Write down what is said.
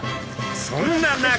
そんな中。